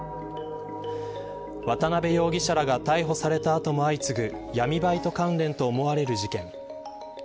渡辺容疑者らが逮捕された後も相次ぐ闇バイト関連と思われる事件。